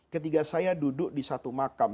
ketika saya duduk di satu makam